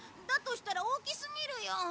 だとしたら大きすぎるよ。